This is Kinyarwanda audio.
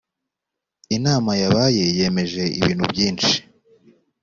inama yabaye yemeje ibintu byinshi